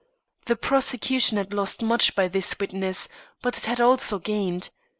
The prosecution had lost much by this witness, but it had also gained.